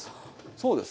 そうです。